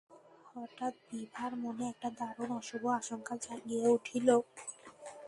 হঠাৎ বিভার মনে একটা দারুণ অশুভ আশঙ্কা জাগিয়া উঠিল।